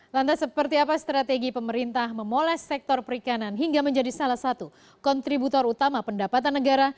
lantas seperti apa strategi pemerintah memoles sektor perikanan hingga menjadi salah satu kontributor utama pendapatan negara